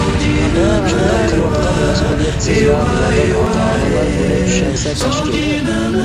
شۇنداق قىلىۋاتقان مەسئۇلىيەتسىز ۋە نادان ئاتا-ئانىلار بۇنى چۈشەنسە كاشكى.